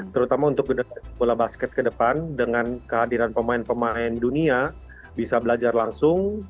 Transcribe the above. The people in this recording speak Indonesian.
terutama untuk bola basket ke depan dengan kehadiran pemain pemain dunia bisa belajar langsung